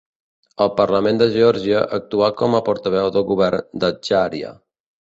Al Parlament de Geòrgia actuà com a portaveu del govern d'Adjària.